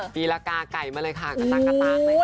ปีรากาไก่มาเลยค่ะกระตั้งเลยค่ะ